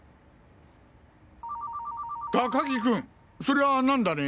高木君それは何だね？